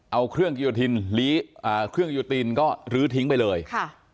เอาเครื่องกิโยธินเครื่องยูตินก็ลื้อทิ้งไปเลยค่ะ